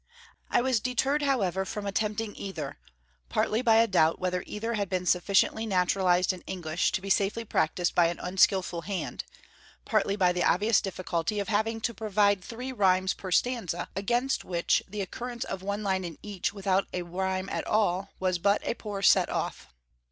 I was deterred, however, from attempting either, partly by a doubt whether either had been sufficiently naturalized in English to be safely practised by an unskilful hand, partly by the obvious difficulty of having to provide three rhymes per stanza, against which the occurrence of one line in each without a rhyme at all was but a poor set off.